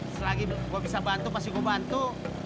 selagi gue bisa bantu masih gue bantu